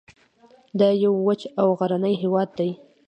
دا یو وچ او غرنی هیواد دی